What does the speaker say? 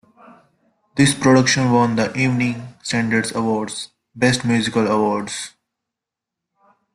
This production won the Evening Standard Awards, Best Musical Award.